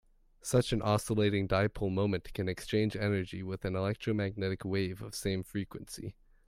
Such an oscillating dipole moment can exchange energy with an electromagnetic wave of same frequency.